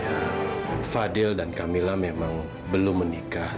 ya fadil dan camilla memang belum menikah